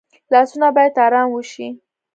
لاسونه باید آرام وشي